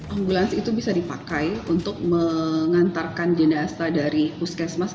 ambulans itu bisa dipakai untuk mengantarkan jenazah dari puskesmas